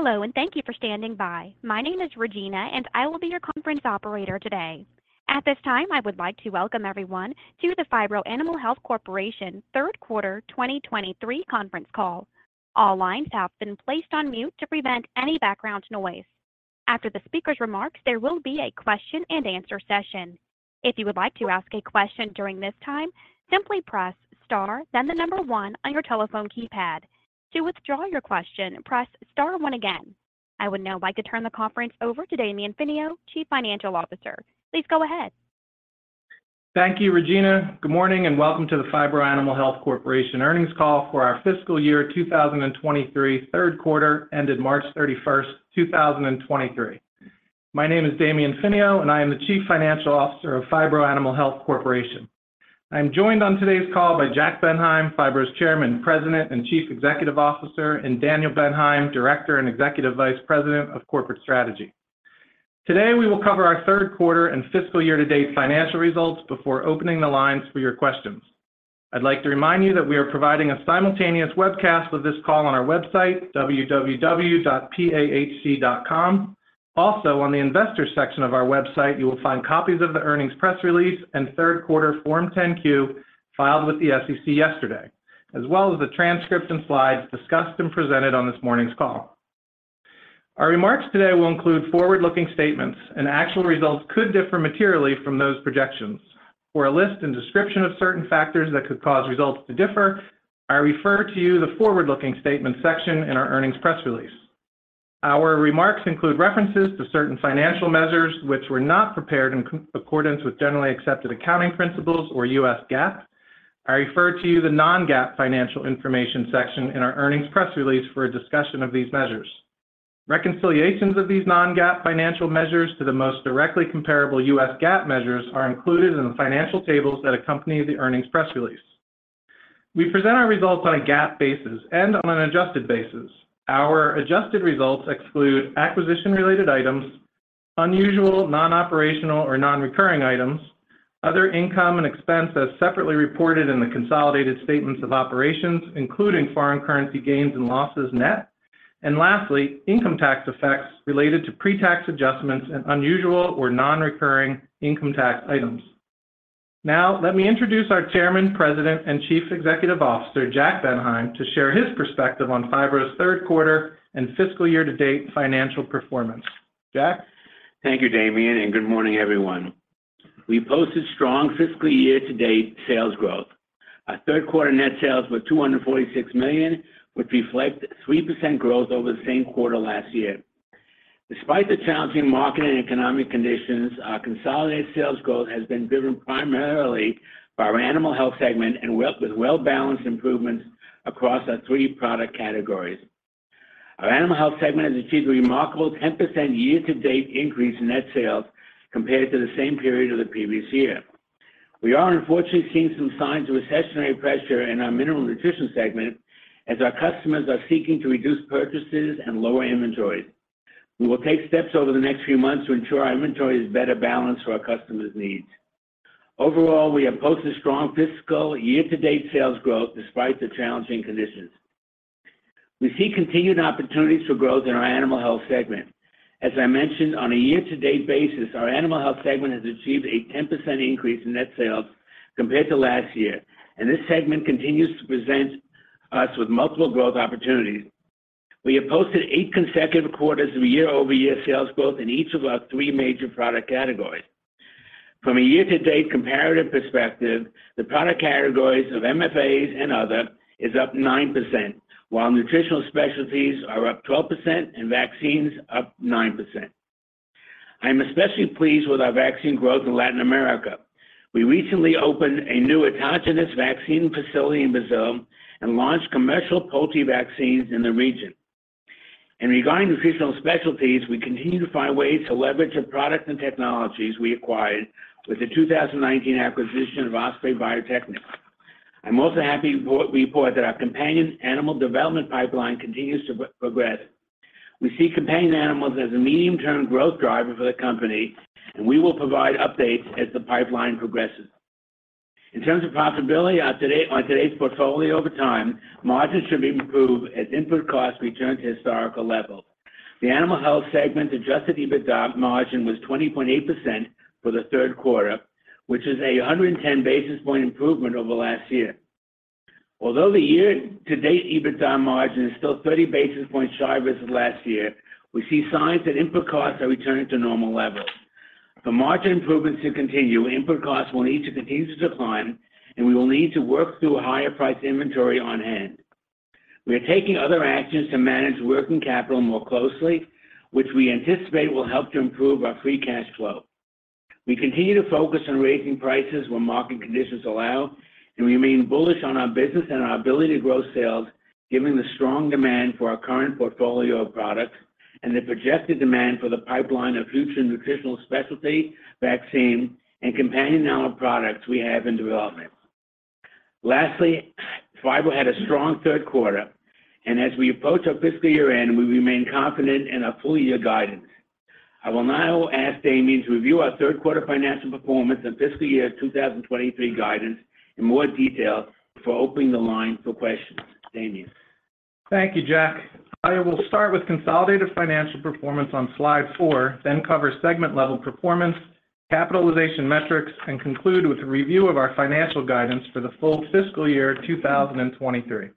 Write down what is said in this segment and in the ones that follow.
Hello. Thank you for standing by. My name is Regina. I will be your conference operator today. At this time, I would like to welcome everyone to the Phibro Animal Health Corporation third quarter 2023 conference call. All lines have been placed on mute to prevent any background noise. After the speaker's remarks, there will be a question-and-answer session. If you would like to ask a question during this time, simply press star then the number 1 on your telephone keypad. To withdraw your question, press star 1 again. I would now like to turn the conference over to Damian Finio, Chief Financial Officer. Please go ahead. Thank you, Regina. Good morning and welcome to the Phibro Animal Health Corporation earnings call for our fiscal year 2023 third quarter ended March thirty-first, 2023. My name is Damian Finio, and I am the Chief Financial Officer of Phibro Animal Health Corporation. I'm joined on today's call by Jack Bendheim, Phibro's Chairman, President, and Chief Executive Officer, and Daniel Bendheim, Director and Executive Vice President of Corporate Strategy. Today, we will cover our third quarter and fiscal year-to-date financial results before opening the lines for your questions. I'd like to remind you that we are providing a simultaneous webcast of this call on our website, www.pahc.com. On the investors section of our website, you will find copies of the earnings press release and third quarter Form 10-Q filed with the SEC yesterday, as well as the transcript and slides discussed and presented on this morning's call. Our remarks today will include forward-looking statements. Actual results could differ materially from those projections. For a list and description of certain factors that could cause results to differ, I refer to you the forward-looking statement section in our earnings press release. Our remarks include references to certain financial measures which were not prepared in accordance with generally accepted accounting principles or U.S. GAAP. I refer to you the non-GAAP financial information section in our earnings press release for a discussion of these measures. Reconciliations of these non-GAAP financial measures to the most directly comparable U.S. GAAP measures are included in the financial tables that accompany the earnings press release. We present our results on a GAAP basis and on an adjusted basis. Our adjusted results exclude acquisition-related items, unusual non-operational or non-recurring items, other income and expense as separately reported in the consolidated statements of operations, including foreign currency gains and losses net, and lastly, income tax effects related to pre-tax adjustments and unusual or non-recurring income tax items. Let me introduce our Chairman, President, and Chief Executive Officer, Jack Bendheim, to share his perspective on Phibro's third quarter and fiscal year-to-date financial performance. Jack? Thank you, Damian, good morning, everyone. We posted strong fiscal year-to-date sales growth. Our third quarter net sales were $246 million, which reflect 3% growth over the same quarter last year. Despite the challenging market and economic conditions, our consolidated sales growth has been driven primarily by our animal health segment with well-balanced improvements across our three product categories. Our animal health segment has achieved a remarkable 10% year-to-date increase in net sales compared to the same period of the previous year. We are unfortunately seeing some signs of recessionary pressure in our mineral nutrition segment as our customers are seeking to reduce purchases and lower inventories. We will take steps over the next few months to ensure our inventory is better balanced for our customers' needs. Overall, we have posted strong fiscal year-to-date sales growth despite the challenging conditions. We see continued opportunities for growth in our animal health segment. As I mentioned, on a year-to-date basis, our animal health segment has achieved a 10% increase in net sales compared to last year, and this segment continues to present us with multiple growth opportunities. We have posted 8 consecutive quarters of year-over-year sales growth in each of our 3 major product categories. From a year-to-date comparative perspective, the product categories of MFAs and other is up 9%, while nutritional specialties are up 12% and vaccines up 9%. I'm especially pleased with our vaccine growth in Latin America. We recently opened a new autogenous vaccine facility in Brazil and launched commercial poultry vaccines in the region. Regarding nutritional specialties, we continue to find ways to leverage the products and technologies we acquired with the 2019 acquisition of Osprey Biotechnics. I'm also happy report that our companion animal development pipeline continues to progress. We see companion animals as a medium-term growth driver for the company, we will provide updates as the pipeline progresses. In terms of profitability on today's portfolio over time, margins should be improved as input costs return to historical levels. The animal health segment's Adjusted EBITDA margin was 20.8% for the third quarter, which is a 110 basis point improvement over last year. The year-to-date EBITDA margin is still 30 basis points shy versus last year, we see signs that input costs are returning to normal levels. For margin improvements to continue, input costs will need to continue to decline, we will need to work through a higher price inventory on hand. We are taking other actions to manage working capital more closely, which we anticipate will help to improve our free cash flow. We continue to focus on raising prices when market conditions allow, and we remain bullish on our business and our ability to grow sales, given the strong demand for our current portfolio of products and the projected demand for the pipeline of future nutritional specialty, vaccine, and companion animal products we have in development. Lastly, Phibro had a strong third quarter, and as we approach our fiscal year-end, we remain confident in our full-year guidance. I will now ask Damian to review our third quarter financial performance and fiscal year 2023 guidance in more detail before opening the line for questions. Damian. Thank you, Jack. I will start with consolidated financial performance on slide 4, then cover segment-level performance, capitalization metrics, and conclude with a review of our financial guidance for the full fiscal year 2023.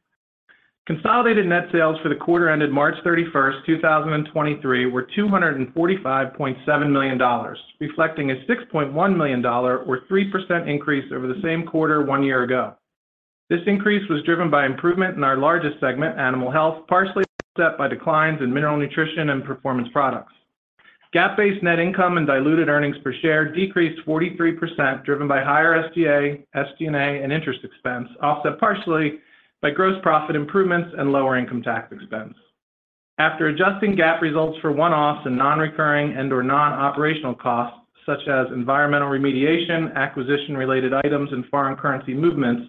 Consolidated net sales for the quarter ended March 31, 2023 were $245.7 million, reflecting a $6.1 million or 3% increase over the same quarter one year ago. This increase was driven by improvement in our largest segment, animal health, partially offset by declines in mineral nutrition and performance products. GAAP-based net income and diluted earnings per share decreased 43% driven by higher SG&A and interest expense, offset partially by gross profit improvements and lower income tax expense. After adjusting GAAP results for one-offs and non-recurring and/or non-operational costs such as environmental remediation, acquisition-related items, and foreign currency movements,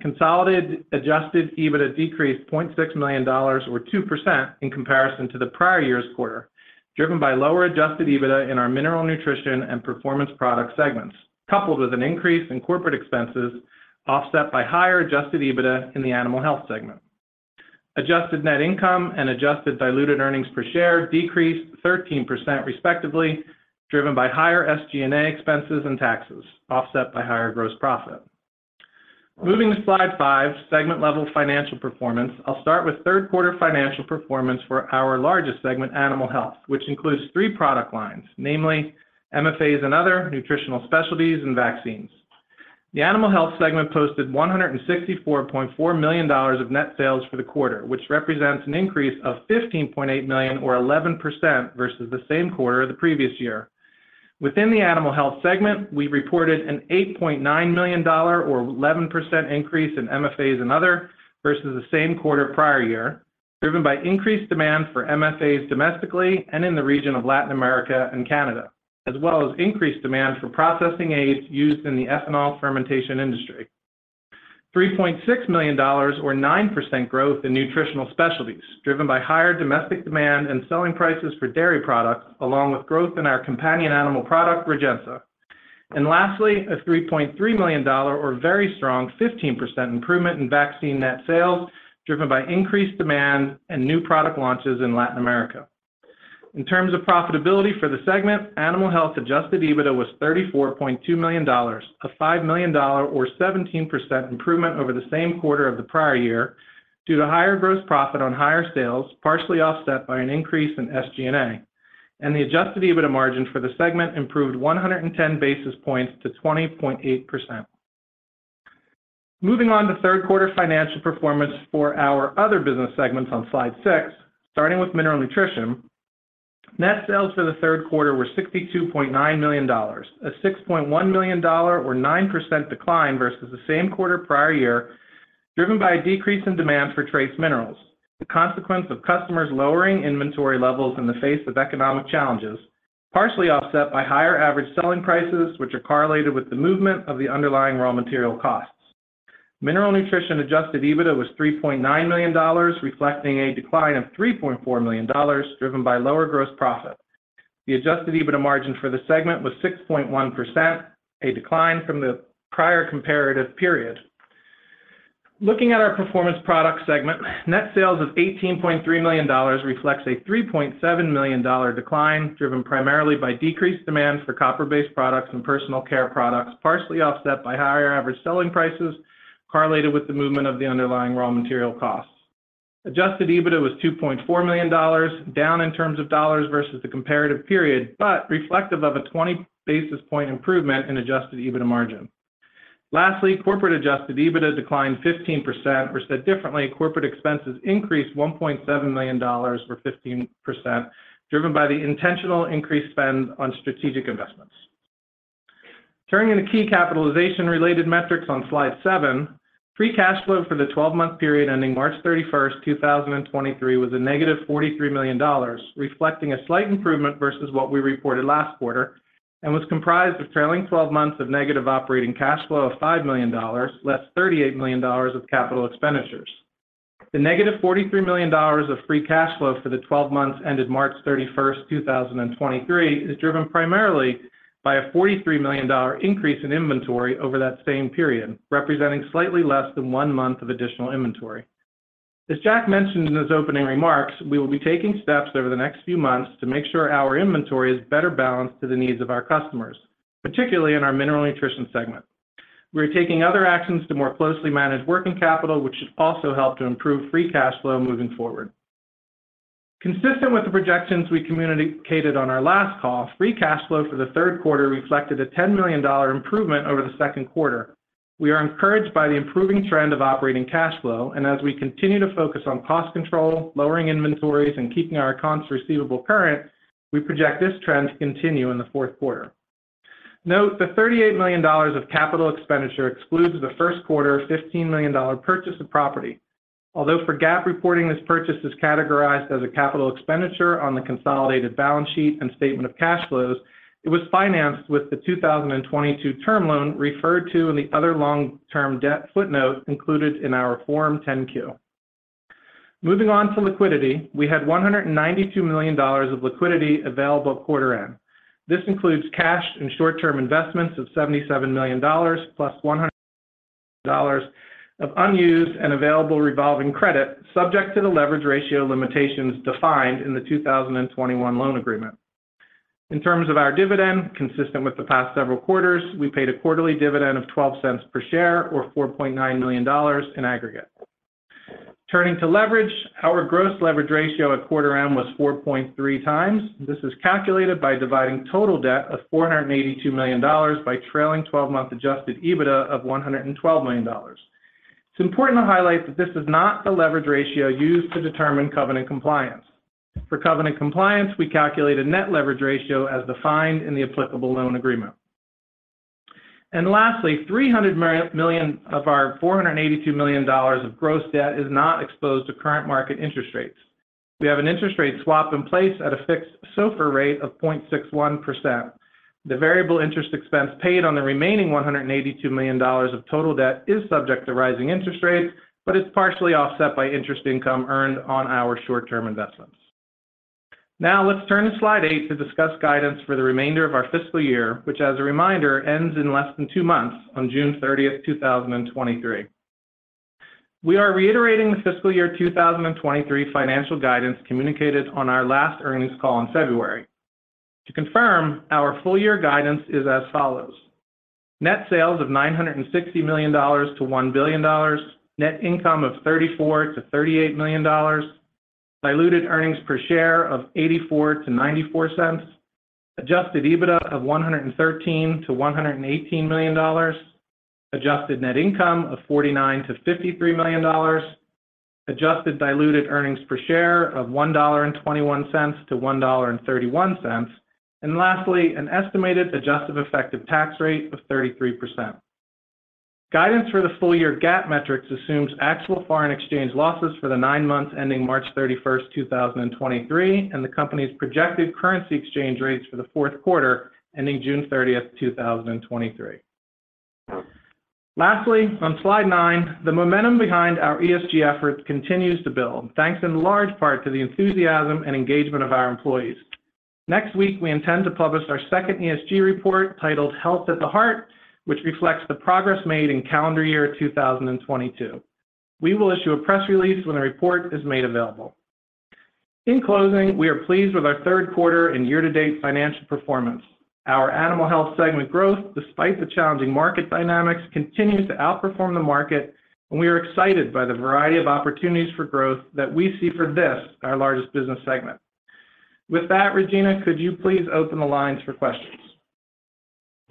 consolidated Adjusted EBITDA decreased $0.6 million or 2% in comparison to the prior year's quarter, driven by lower Adjusted EBITDA in our mineral nutrition and performance product segments, coupled with an increase in corporate expenses offset by higher Adjusted EBITDA in the animal health segment. Adjusted net income and adjusted diluted earnings per share decreased 13% respectively, driven by higher SG&A expenses and taxes, offset by higher gross profit. Moving to slide 5, segment-level financial performance. I'll start with third quarter financial performance for our largest segment, animal health, which includes 3 product lines, namely MFAs and other, nutritional specialties, and vaccines. The animal health segment posted $164.4 million of net sales for the quarter, which represents an increase of $15.8 million or 11% versus the same quarter of the previous year. Within the animal health segment, we reported an $8.9 million or 11% increase in MFAs and other versus the same quarter prior year, driven by increased demand for MFAs domestically and in the region of Latin America and Canada, as well as increased demand for processing aids used in the ethanol fermentation industry. $3.6 million or 9% growth in nutritional specialties, driven by higher domestic demand and selling prices for dairy products, along with growth in our companion animal product, Rejensa. Lastly, a $3.3 million or very strong 15% improvement in vaccine net sales, driven by increased demand and new product launches in Latin America. In terms of profitability for the segment, Animal Health's Adjusted EBITDA was $34.2 million, a $5 million or 17% improvement over the same quarter of the prior year due to higher gross profit on higher sales, partially offset by an increase in SG&A. The Adjusted EBITDA margin for the segment improved 110 basis points to 20.8%. Moving on to third quarter financial performance for our other business segments on slide 6, starting with mineral nutrition. Net sales for the third quarter were $62.9 million, a $6.1 million or 9% decline versus the same quarter prior year, driven by a decrease in demand for trace minerals, the consequence of customers lowering inventory levels in the face of economic challenges, partially offset by higher average selling prices, which are correlated with the movement of the underlying raw material costs. Mineral nutrition Adjusted EBITDA was $3.9 million, reflecting a decline of $3.4 million, driven by lower gross profit. The Adjusted EBITDA margin for the segment was 6.1%, a decline from the prior comparative period. Looking at our performance product segment, net sales of $18.3 million reflects a $3.7 million decline, driven primarily by decreased demand for copper-based products and personal care products, partially offset by higher average selling prices correlated with the movement of the underlying raw material costs. Adjusted EBITDA was $2.4 million, down in terms of dollars versus the comparative period, but reflective of a 20 basis point improvement in Adjusted EBITDA margin. Lastly, corporate Adjusted EBITDA declined 15%, or said differently, corporate expenses increased $1.7 million or 15%, driven by the intentional increased spend on strategic investments. Turning to key capitalization-related metrics on slide 7, free cash flow for the 12-month period ending March 31st, 2023 was -$43 million, reflecting a slight improvement versus what we reported last quarter, was comprised of trailing 12 months of negative operating cash flow of $5 million, less $38 million of capital expenditures. The -$43 million of free cash flow for the 12 months ended March 31st, 2023 is driven primarily by a $43 million increase in inventory over that same period, representing slightly less than one month of additional inventory. As Jack mentioned in his opening remarks, we will be taking steps over the next few months to make sure our inventory is better balanced to the needs of our customers, particularly in our mineral nutrition segment. We are taking other actions to more closely manage working capital, which should also help to improve free cash flow moving forward. Consistent with the projections we communicated on our last call, free cash flow for the third quarter reflected a $10 million improvement over the second quarter. We are encouraged by the improving trend of operating cash flow, and as we continue to focus on cost control, lowering inventories, and keeping our accounts receivable current, we project this trend to continue in the fourth quarter. Note the $38 million of capital expenditure excludes the first quarter $15 million purchase of property. Although for GAAP reporting, this purchase is categorized as a capital expenditure on the consolidated balance sheet and statement of cash flows, it was financed with the 2022 term loan referred to in the other long-term debt footnote included in our Form 10-Q. Moving on to liquidity. We had $192 million of liquidity available at quarter end. This includes cash and short-term investments of $77 million, plus $100 million of unused and available revolving credit subject to the leverage ratio limitations defined in the 2021 loan agreement. In terms of our dividend, consistent with the past several quarters, we paid a quarterly dividend of $0.12 per share, or $4.9 million in aggregate. Turning to leverage, our gross leverage ratio at quarter end was 4.3 times. This is calculated by dividing total debt of $482 million by trailing twelve-month Adjusted EBITDA of $112 million. It's important to highlight that this is not the leverage ratio used to determine covenant compliance. For covenant compliance, we calculate a net leverage ratio as defined in the applicable loan agreement. Lastly, $300 million of our $482 million of gross debt is not exposed to current market interest rates. We have an interest rate swap in place at a fixed SOFR rate of 0.61%. The variable interest expense paid on the remaining $182 million of total debt is subject to rising interest rates, but it's partially offset by interest income earned on our short-term investments. Let's turn to slide eight to discuss guidance for the remainder of our fiscal year, which, as a reminder, ends in less than two months on June thirtieth, 2023. We are reiterating the fiscal year 2023 financial guidance communicated on our last earnings call in February. To confirm, our full year guidance is as follows: Net sales of $960 million to $1 billion. Net income of $34 million-$38 million. Diluted earnings per share of $0.84-$0.94. Adjusted EBITDA of $113 million-$118 million. Adjusted net income of $49 million-$53 million. Adjusted diluted earnings per share of $1.21-$1.31. Lastly, an estimated adjusted effective tax rate of 33%. Guidance for the full year GAAP metrics assumes actual foreign exchange losses for the 9 months ending March 31st, 2023, and the company's projected currency exchange rates for the 4th quarter ending June 30th, 2023. Lastly, on slide 9, the momentum behind our ESG effort continues to build, thanks in large part to the enthusiasm and engagement of our employees. Next week, we intend to publish our second ESG report titled Health at the Heart, which reflects the progress made in calendar year 2022. We will issue a press release when the report is made available. In closing, we are pleased with our 3rd quarter and year-to-date financial performance. Our animal health segment growth, despite the challenging market dynamics, continues to outperform the market, and we are excited by the variety of opportunities for growth that we see for this, our largest business segment. With that, Regina, could you please open the lines for questions?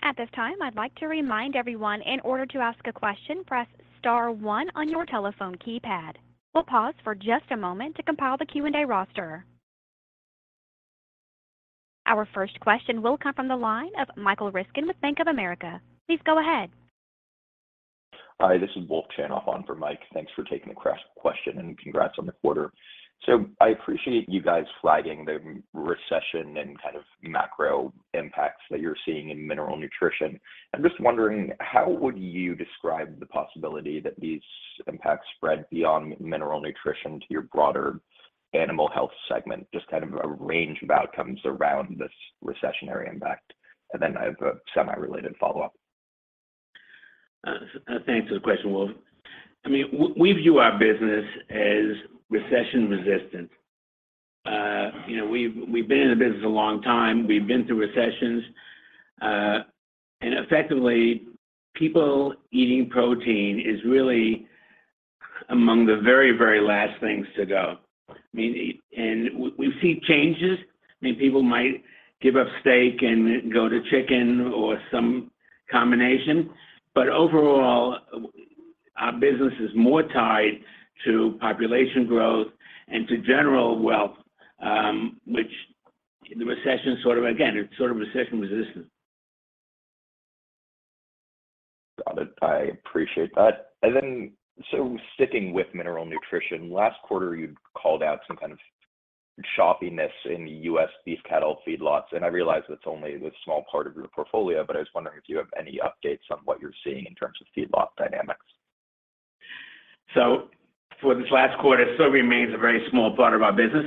At this time, I'd like to remind everyone, in order to ask a question, press *1 on your telephone keypad. We'll pause for just a moment to compile the Q&A roster. Our first question will come from the line of Michael Ryskin with Bank of America. Please go ahead. Hi, this is Wolf Chanoff on for Mike. Thanks for taking the question. Congrats on the quarter. I appreciate you guys flagging the recession and kind of macro impacts that you're seeing in mineral nutrition. I'm just wondering how would you describe the possibility that these impacts spread beyond mineral nutrition to your broader animal health segment? Just kind of a range of outcomes around this recessionary impact. I have a semi-related follow-up. Thanks for the question, Wolf. I mean, we view our business as recession-resistant. You know, we've been in the business a long time. We've been through recessions. Effectively, people eating protein is really among the very, very last things to go. I mean, and we see changes. I mean, people might give up steak and go to chicken or some combination. Overall, our business is more tied to population growth and to general wealth, which the recession sort of. Again, it's sort of recession-resistant. Got it. I appreciate that. Sticking with mineral nutrition, last quarter, you called out some kind of choppiness in U.S. beef cattle feedlots, and I realize it's only this small part of your portfolio, but I was wondering if you have any updates on what you're seeing in terms of feedlot dynamics. For this last quarter, it still remains a very small part of our business.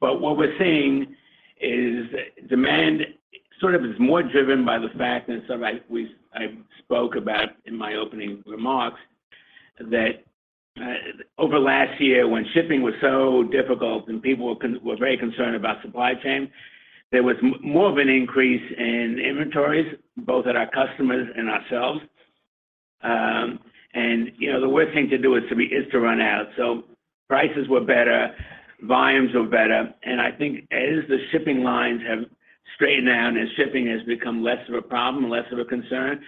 But what we're seeing is demand sort of is more driven by the fact that sort of I spoke about in my opening remarks that over last year, when shipping was so difficult and people were very concerned about supply chain, there was more of an increase in inventories, both at our customers and ourselves. You know, the worst thing to do is to run out. Prices were better, volumes were better, and I think as the shipping lines have straightened out and shipping has become less of a problem and less of a concern,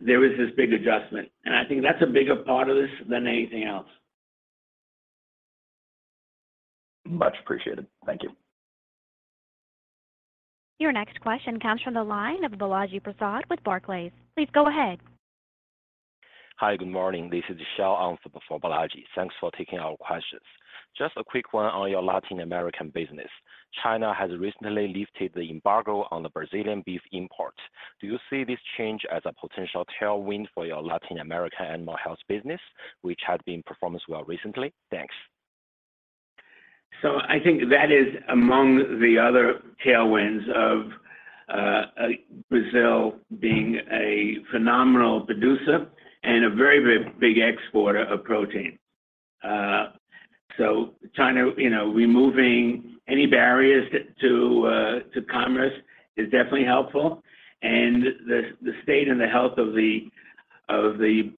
there was this big adjustment. I think that's a bigger part of this than anything else. Much appreciated. Thank you. Your next question comes from the line of Balaji Prasad with Barclays. Please go ahead. Hi. Good morning. This is Shagun Kumar for Balaji. Thanks for taking our questions. Just a quick one on your Latin American business. China has recently lifted the embargo on the Brazilian beef import. Do you see this change as a potential tailwind for your Latin America animal health business, which had been performance well recently? Thanks. I think that is among the other tailwinds of Brazil being a phenomenal producer and a very big exporter of protein. China, you know, removing any barriers to commerce is definitely helpful. The state and the health of the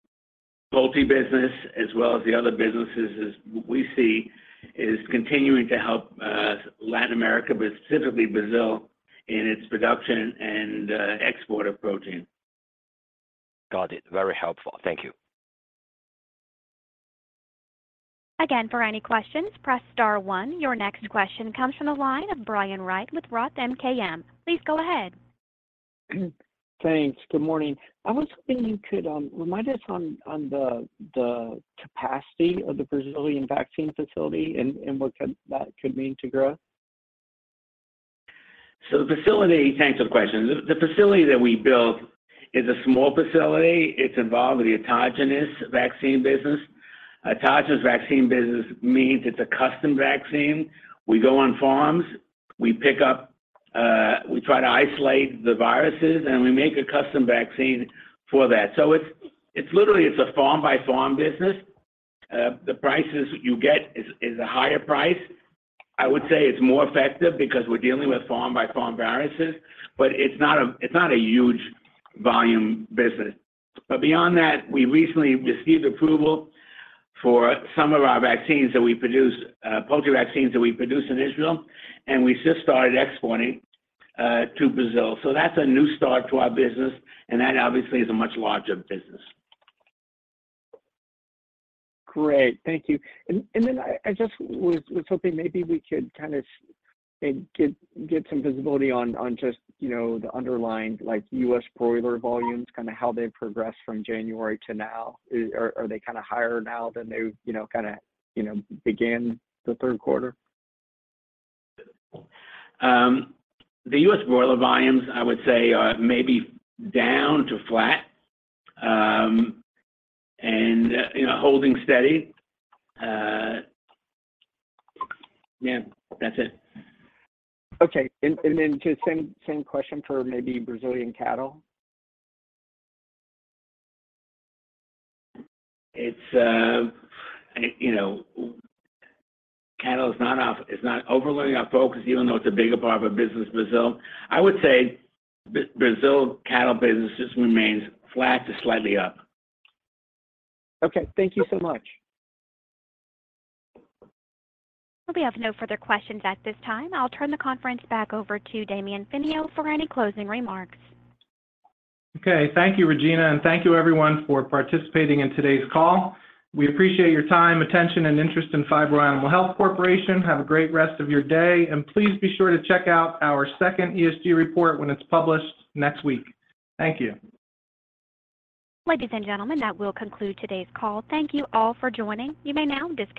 poultry business as well as the other businesses we see is continuing to help Latin America, but specifically Brazil, in its production and export of protein. Got it. Very helpful. Thank you. Again, for any questions, press *1. Your next question comes from the line of Brian Wright with Roth MKM. Please go ahead. Thanks. Good morning. I was hoping you could remind us on the capacity of the Brazilian vaccine facility and what that could mean to growth? The facility. Thanks for the question. The facility that we built is a small facility. It's involved with the autogenous vaccine business. Autogenous vaccine business means it's a custom vaccine. We go on farms, we pick up, we try to isolate the viruses, and we make a custom vaccine for that. It's literally it's a farm-by-farm business. The prices you get is a higher price. I would say it's more effective because we're dealing with farm-by-farm viruses, but it's not a huge volume business. Beyond that, we recently received approval for some of our vaccines that we produce, poultry vaccines that we produce in Israel, and we just started exporting to Brazil. That's a new start to our business, and that obviously is a much larger business. Great. Thank you. Then I just was hoping maybe we could kind of get some visibility on just, you know, the underlying, like, U.S. broiler volumes, kind of how they've progressed from January to now. Are they kind of higher now than they, you know, kind of, you know, began the third quarter? The U.S. broiler volumes, I would say are maybe down to flat, and, you know, holding steady., that's it. Okay. Then just same question for maybe Brazilian cattle. It's, you know, cattle is not overly our focus, even though it's a bigger part of our business in Brazil. I would say Brazil cattle business just remains flat to slightly up. Okay. Thank you so much. We have no further questions at this time. I'll turn the conference back over to Damian Finio for any closing remarks. Okay. Thank you, Regina. Thank you everyone for participating in today's call. We appreciate your time, attention, and interest in Phibro Animal Health Corporation. Have a great rest of your day. Please be sure to check out our second ESG report when it's published next week. Thank you. Ladies and gentlemen, that will conclude today's call. Thank you all for joining. You may now disconnect.